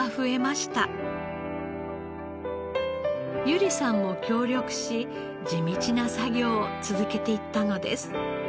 由里さんも協力し地道な作業を続けていったのです。